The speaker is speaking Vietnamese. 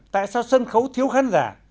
tại sao sân khấu thiếu khán giả